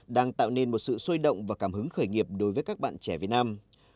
đang tạo nên một sự sôi động và cảm hứng khởi nghiệp đối với các bạn trẻ việt nam